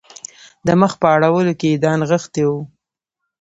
د مخ په اړولو کې یې دا نغښتي وو.